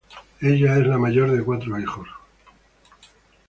Ella es la mayor de cuatro hijos.